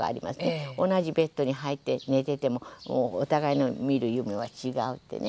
同じベッドに入って寝ていてもお互いの見る夢は違うってね。